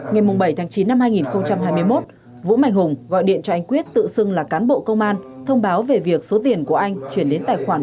ngày bảy chín hai nghìn hai mươi một vũ mạnh hùng gọi điện cho anh quyết tự xưng là cán bộ công an thông báo về việc số tiền của anh chuyển đến tài khoản